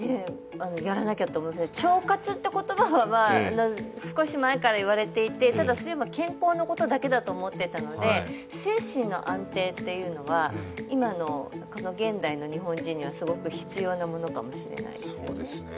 やらなきゃと思います、腸活という言葉は少し前から言われていて、ただ、健康のことだけだと思っていたので、精神の安定というのは今の現代の日本人には、すごく必要なものかもしれないですね。